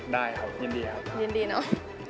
ได้ครับยินดีครับ